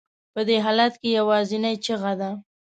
په دې حالت کې یوازینۍ چیغه ده.